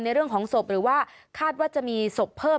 เรื่องของศพหรือว่าคาดว่าจะมีศพเพิ่ม